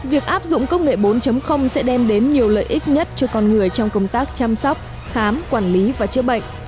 việc áp dụng công nghệ bốn sẽ đem đến nhiều lợi ích nhất cho con người trong công tác chăm sóc khám quản lý và chữa bệnh